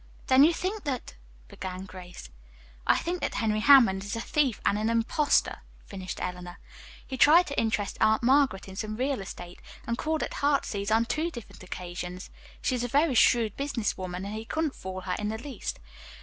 "Then you think that " began Grace. "I think that Henry Hammond is a thief and an impostor," finished Eleanor. "He tried to interest Aunt Margaret in some real estate, and called at 'Heartsease' on two different occasions. She is a very shrewd business woman and he couldn't fool her in the least.